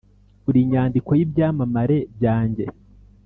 buri nyandiko yibyamamare byanjye,